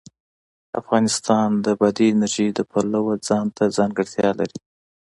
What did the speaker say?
افغانستان د بادي انرژي د پلوه ځانته ځانګړتیا لري.